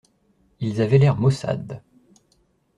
Ils avaient l’air maussade.